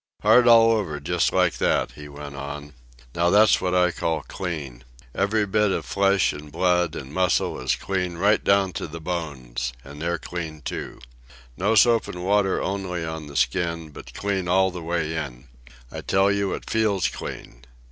"Hard all over just like that," he went on. "Now that's what I call clean. Every bit of flesh an' blood an' muscle is clean right down to the bones and they're clean, too. No soap and water only on the skin, but clean all the way in. I tell you it feels clean.